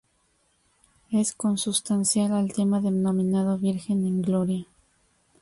Es consustancial al tema denominado Virgen en gloria.